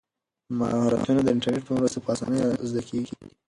مهارتونه د انټرنیټ په مرسته په اسانۍ زده کیږي.